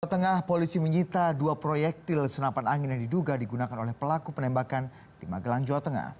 di tengah polisi menyita dua proyektil senapan angin yang diduga digunakan oleh pelaku penembakan di magelang jawa tengah